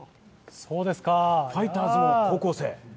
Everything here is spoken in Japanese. ファイターズも高校生。